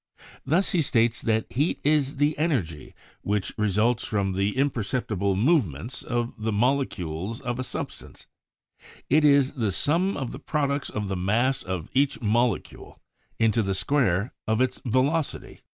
Thus he states that "Heat is the energy which re sults from the imperceptible movements of the molecules of a substance; it is the sum of the products of the mass of each molecule into the square of its velocity."